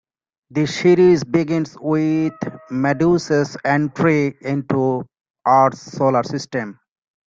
The series begins with Medusa's entry into Earth's solar system.